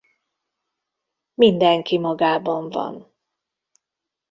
Mindenki magában van.